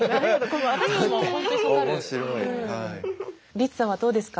リツさんはどうですか？